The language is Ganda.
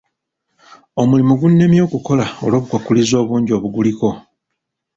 Omulimu gunnemye okukola olw'obukwakkulizo obungi obuguliko.